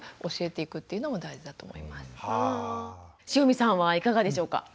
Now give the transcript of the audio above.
汐見さんはいかがでしょうか？